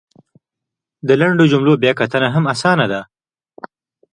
د لنډو جملو بیا کتنه هم اسانه ده !